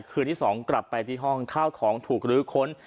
คืนนี้สองกลับไปที่ห้องข้าวของถูกหรือข้น